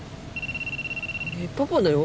ねぇパパだよ？